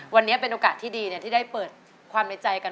วันนี้เป็นโอกาสที่ดีที่ได้เปิดความในใจกัน